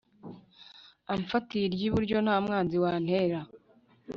Amfatiye iryiburyo ntamwanzi wantera